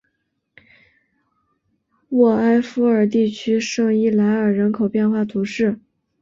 沃埃夫尔地区圣伊莱尔人口变化图示